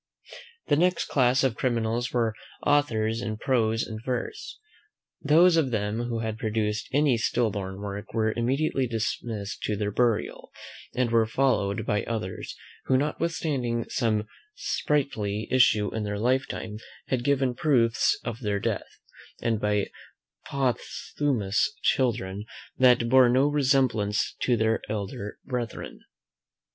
The next class of criminals were authors in prose and verse. Those of them who had produced any stillborn work were immediately dismissed to their burial, and were followed by others, who notwithstanding some sprightly issue in their lifetime, had given proofs of their death, by some posthumous children, that bore no resemblance to their elder brethren.